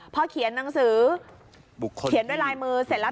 พอเขียนหนังสือเขียนด้วยลายมือเสร็จแล้ว